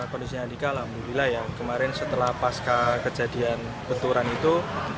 kondisinya andika alhamdulillah ya kemarin setelah pasca kejadian benturan itu